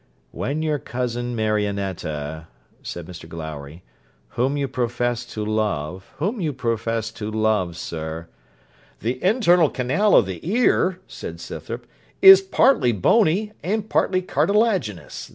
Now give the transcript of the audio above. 'When your cousin Marionetta,' said Mr Glowry, 'whom you profess to love whom you profess to love, sir ' 'The internal canal of the ear,' said Scythrop, 'is partly bony and partly cartilaginous.